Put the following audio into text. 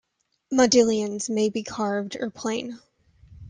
Modillions may be carved or plain.